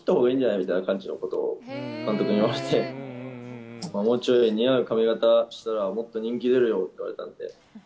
みたいな感じのことを監督に言われて、もうちょっと似合う髪形したら、もっと人気出るよって言われたんで。